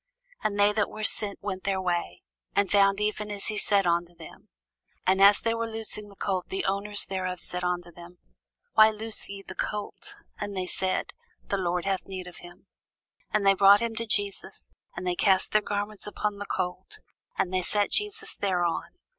And they that were sent went their way, and found even as he had said unto them. And as they were loosing the colt, the owners thereof said unto them, Why loose ye the colt? And they said, The Lord hath need of him. And they brought him to Jesus: and they cast their garments upon the colt, and they set Jesus thereon.